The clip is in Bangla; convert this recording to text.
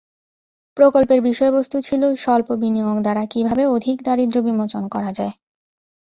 প্রকল্পের বিষয়বস্তু ছিল, স্বল্প বিনিয়োগ দ্বারা কীভাবে অধিক দারিদ্র্য বিমোচন করা যায়।